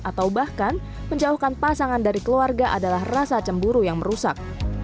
atau bahkan menjauhkan pasangan dari keluarga adalah rasa cemburu yang merusak